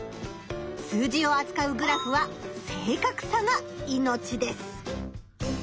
数字をあつかうグラフは正かくさが命です。